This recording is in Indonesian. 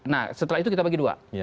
nah setelah itu kita bagi dua